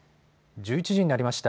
１１時になりました。